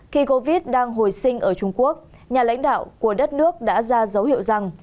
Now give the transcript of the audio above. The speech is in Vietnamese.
khi covid đang hồi sinh ở trung quốc nhà lãnh đạo của đất nước đã ra dấu hiệu rằng